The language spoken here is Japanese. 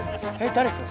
誰っすか？